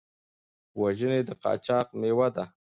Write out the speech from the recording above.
وژنې د قاچاق مېوه ده.